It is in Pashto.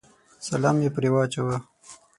سلام مې پرې واچاوه.